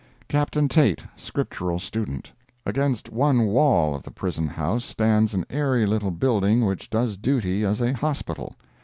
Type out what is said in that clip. CAPTAIN TAIT, SCRIPTURAL STUDENT Against one wall of the prison house stands an airy little building which does duty as a hospital.